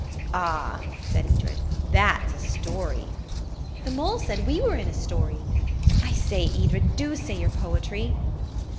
"Ah," said Edred, "that's a story." "The mole said we were in a story. I say, Edred, do say your poetry."